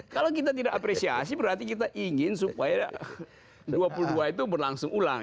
kalau kita tidak apresiasi berarti kita ingin supaya dua puluh dua itu berlangsung ulang